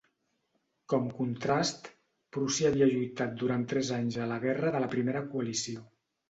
Com contrast, Prússia havia lluitat durant tres anys a la guerra de la Primera Coalició.